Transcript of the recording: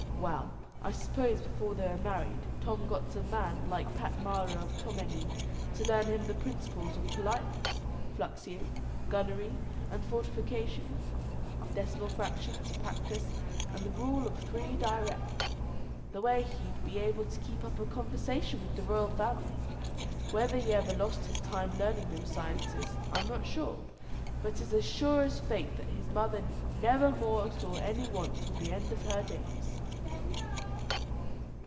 Well, I suppose, before they were married, Tom got some man, like Pat Mara of Tomenine, to learn him the "principles of politeness," fluxions, gunnery, and fortification, decimal fractions, practice, and the rule of three direct, the way he'd be able to keep up a conversation with the royal family. Whether he ever lost his time learning them sciences, I'm not sure, but it's as sure as fate that his mother never more saw any want till the end of her days.